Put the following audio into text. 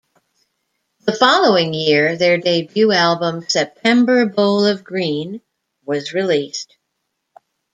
The following year, their debut album "September Bowl of Green" was released.